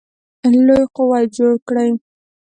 لوی قوت جوړ کړي.